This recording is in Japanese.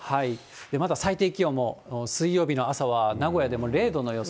まだ最低気温も水曜日の朝は名古屋でも０度の予想。